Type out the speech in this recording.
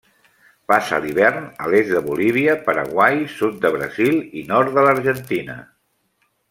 Passa l'hivern a l'est de Bolívia, Paraguai, sud de Brasil i nord de l'Argentina.